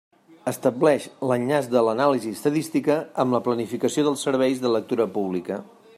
Estableix l'enllaç de l'anàlisi estadística amb la planificació dels serveis de lectura pública.